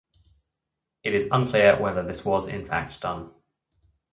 It is unclear whether this was in fact done.